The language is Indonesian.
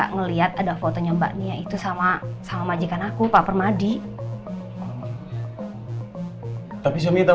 ngelihat ada fotonya mbak nia itu sama sama majikan aku pak permadi tapi suami itu